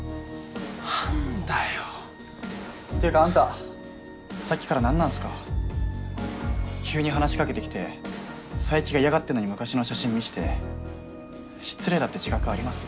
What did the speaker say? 何だよっていうかあんたさっきから何なんすか急に話しかけてきて佐伯が嫌がってんのに昔の写真見せて失礼だって自覚あります？